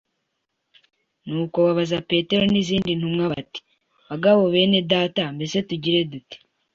nuko babaza Petero n’izindi ntumwa bati “ Bagabo bene Data, mbese tugire dute? ”